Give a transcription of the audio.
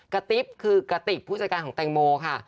ติ๊บคือกระติกผู้จัดการของแตงโมค่ะ